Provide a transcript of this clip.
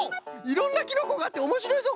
いろんなキノコがあっておもしろいぞ